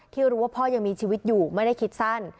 รู้ว่าพ่อยังมีชีวิตอยู่ไม่ได้คิดสั้น